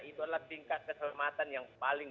itu adalah tingkat keselamatan yang paling